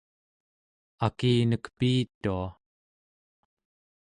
akinek piitua